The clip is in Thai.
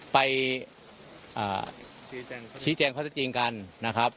ไปชี้แจงพระธรรมจริงกันนะครับ